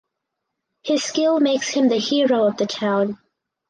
His skill makes him the hero of the town.